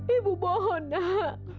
ibu bohon nak